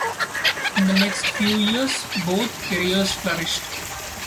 In the next few years both careers flourished.